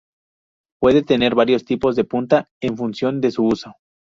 Puede tener varios tipos de punta en función de su uso.